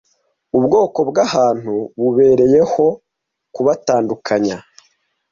Ubwoko bwa bantu bubereyeho kubatandukanya